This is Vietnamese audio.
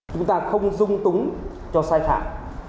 chúng ta không dung túng cho sai phạm